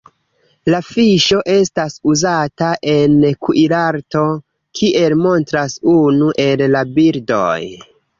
La fiŝo estas uzata en kuirarto, kiel montras unu el la bildoj.